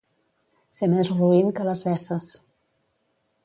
Ser més roín que les veces.